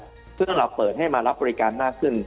ซึ่งเราเปิดให้มารับบริการมากขึ้น